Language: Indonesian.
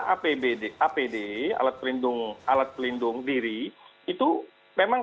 apbd apd alat pelindung diri itu memang